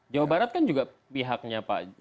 jawa barat kan juga pihaknya pak jokowi